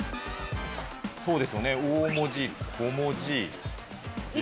そうですよね、大文字、小文字、大文字。